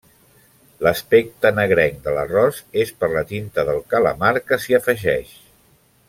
L'aspecte negrenc de l'arròs és per la tinta del calamar que s'hi afegeix.